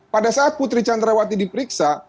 pada saat putri candrawati diperiksa